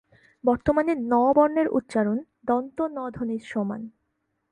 বর্তমানে ণ বর্ণের উচ্চারণ দন্ত ন ধ্বনির সমান।